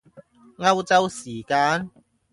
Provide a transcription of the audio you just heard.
歐洲時間？